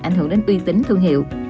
ảnh hưởng đến uy tín thương hiệu